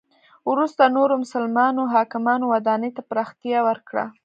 وروسته نورو مسلمانو حاکمانو ودانی ته پراختیا ورکړه.